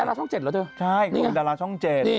ก็ใช่ไงนี่ไง